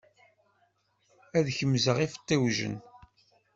Ad gemẓeɣ ifṭiwjen.